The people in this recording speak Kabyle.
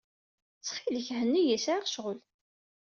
Ttxil-k, henni-iyi. Sɛiɣ ccɣel.